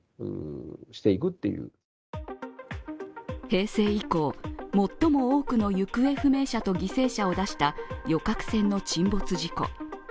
平成以降、最も多くの行方不明者と犠牲者を出した旅客船の沈没事故。